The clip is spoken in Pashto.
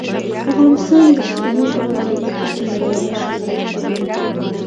افغانستان د ستوني غرونه په برخه کې نړیوال شهرت لري.